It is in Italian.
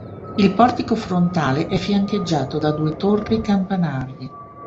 Il portico frontale è fiancheggiato da due torri campanarie.